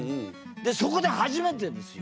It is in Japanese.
でそこで初めてですよ